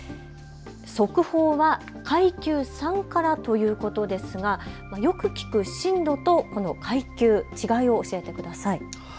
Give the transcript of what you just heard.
速報は階級３からということですがよく聞く震度とこの階級、違いを教えてください。